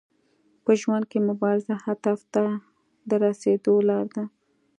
په ژوند کي مبارزه هدف ته د رسیدو لار ده.